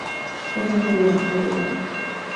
车站设有两条轨道。